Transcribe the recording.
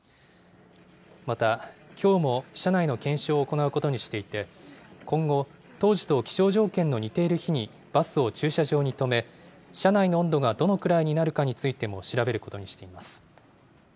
また、きょうも車内の検証を行うことにしていて、今後、当時と気象条件の似ている日にバスを駐車場に止め、車内の温度がどのくらいになるかについても調べることにしています。